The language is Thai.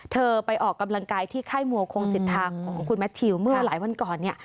เธอไปออกกำลังกายที่ไข้มัวโครงศิษย์ธรรมของคุณแมททิวเมื่อหลายวันก่อน